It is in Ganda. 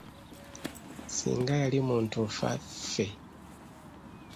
Singa yali muntu nfa ffe.